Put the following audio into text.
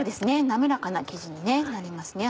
滑らかな生地になりますね